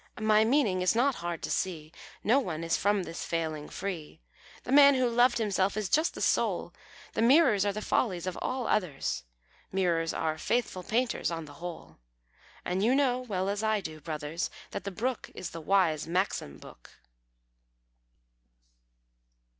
My meaning is not hard to see; No one is from this failing free. The man who loved himself is just the Soul, The mirrors are the follies of all others. (Mirrors are faithful painters on the whole;) And you know well as I do, brothers, that the brook Is the wise "Maxim book."